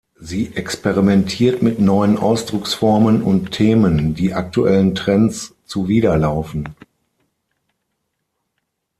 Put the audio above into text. Sie experimentiert mit neuen Ausdrucksformen und Themen, die aktuellen Trends zuwiderlaufen.